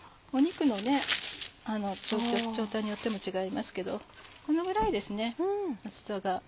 肉の状態によっても違いますけどこのぐらいですね厚さが。